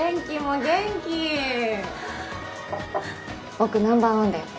僕ナンバー１だよ。